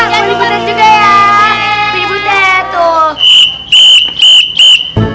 pilih butet tuh